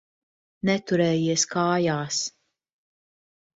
Neturējies kājās.